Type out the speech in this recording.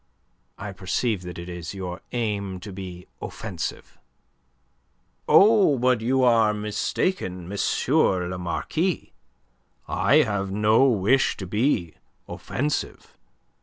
"I perceive that it is your aim to be offensive." "Oh, but you are mistaken, M. le Marquis. I have no wish to be offensive.